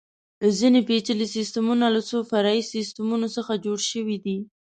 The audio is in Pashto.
ځینې پېچلي سیسټمونه له څو فرعي سیسټمونو څخه جوړ شوي دي.